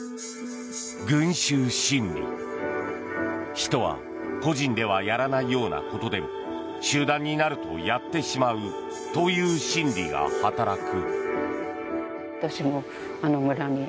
人は個人ではやらないようなことでも集団になるとやってしまうという心理が働く。